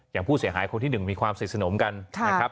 อย่างผู้เสียหายคนที่หนึ่งมีความเสนอมกันนะครับ